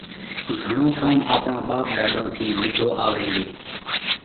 گھڻو ڪوم آپڻون ٻاپ ڏاڏون ٿِي ووڍو آوئه ريو۔